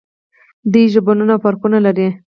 دوی ژوبڼونه او پارکونه لري.